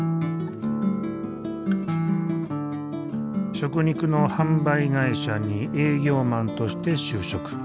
食肉の販売会社に営業マンとして就職。